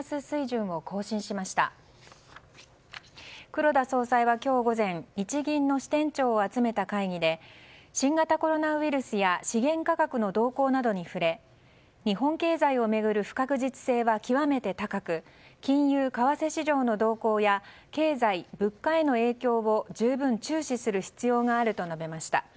黒田総裁は今日午前日銀の支店長を集めた会議で新型コロナウイルスや資源価格の動向などに触れ日本経済を巡る不確実性は極めて高く金融、為替市場の動向や経済、物価への影響を十分注視する必要があると述べました。